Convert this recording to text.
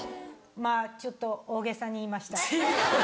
まぁちょっと大げさに言いましたが。